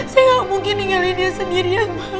saya gak mungkin ninggalin dia sendirian pak